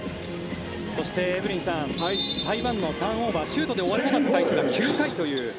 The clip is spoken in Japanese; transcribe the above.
そして、エブリンさん台湾のターンオーバーシュートで終われなかった回数が９回という。